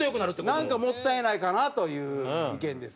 なんかもったいないかなという意見ですね。